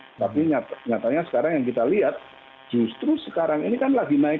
dan tidak tahu puncaknya sampai kapan